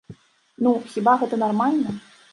Ну, хіба гэта нармальна?